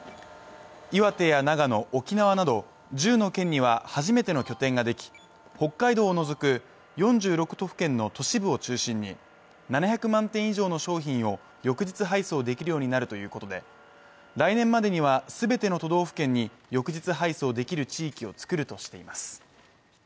岩手や長野、沖縄など１０の県には初めての拠点ができ北海道を除く４６都府県の都市部を中心に７００万点以上の商品を翌日配送できるようになるということで来年までにはすべての都道府県に翌日配送できる地域を作るとしています